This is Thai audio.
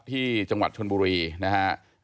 ที่จังหวัดชนบุรีนะครับ